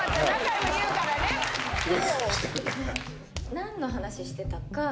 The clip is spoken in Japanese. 何の話してたか。